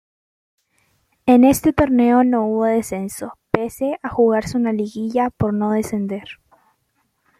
En este torneo no hubo descenso, pese a jugarse una liguilla por no descender.